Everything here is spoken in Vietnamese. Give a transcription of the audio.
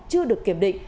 chưa được kiểm định